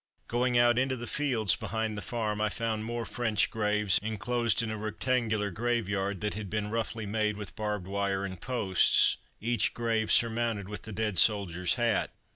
Going out into the fields behind the farm, I found more French graves, enclosed in a rectangular graveyard that had been roughly made with barbed wire and posts, each grave surmounted with the dead soldier's hat.